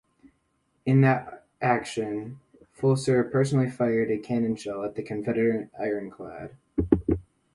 In that action, Flusser personally fired a cannon shell at the Confederate ironclad.